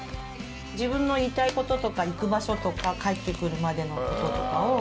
自分の言いたいこととか行く場所とか帰ってくるまでのこととかを。